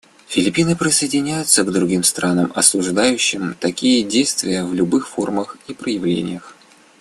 Филиппины присоединяются к другим странам, осуждающим такие действия в любых формах и проявлениях.